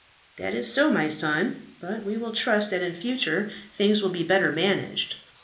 "That is so, my son; but we will trust that in future things will be better managed.